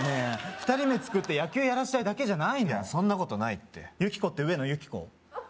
２人目作って野球やらしたいだけじゃないのそんなことないってユキコって上野由岐子？